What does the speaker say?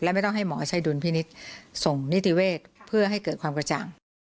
ไม่ต้องให้หมอใช้ดุลพินิษฐ์ส่งนิติเวศเพื่อให้เกิดความกระจ่าง